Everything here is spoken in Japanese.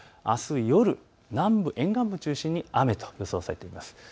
あす夜、南部、沿岸部中心に雨と予想されています。